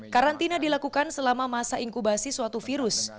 karantina dilakukan selama masa inkubasi suatu virus